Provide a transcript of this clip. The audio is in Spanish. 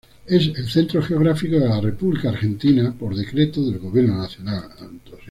Es el centro geográfico de la República Argentina, por decreto del gobierno nacional.